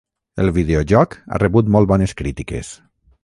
El videojoc ha rebut molt bones crítiques.